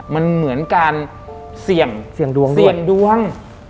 มันเหมือนการเสี่ยงดวง